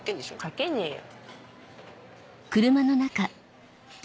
かけねえよ。